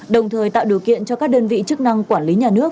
đồng thời tạo điều kiện cho các đơn vị chức năng quản lý nhà nước